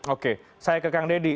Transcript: oke saya ke kang deddy